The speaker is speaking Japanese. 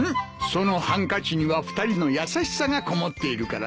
そのハンカチには２人の優しさがこもっているからな。